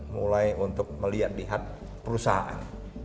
mulai untuk melihat lihat perusahaan